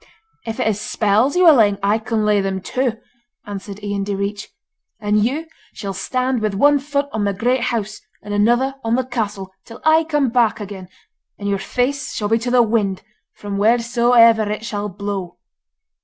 'If it is spells you are laying I can lay them too,' answered Ian Direach; 'and you shall stand with one foot on the great house and another on the castle, till I come back again, and your face shall be to the wind, from wheresoever it shall blow.